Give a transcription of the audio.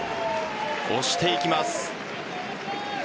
押していきます。